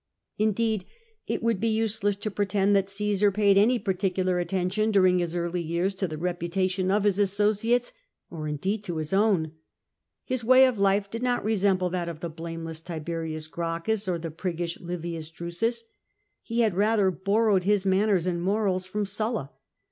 Indeed, it would be useless to pretend that Cmsar paid any particular attention during his early years to the reputation of his associates, or indeed to his own. His way of life did not resemble that of the blameless Tiberius G racchus or the priggish Livius Drusus. He had rather borrowed his manners and morals from Sulla.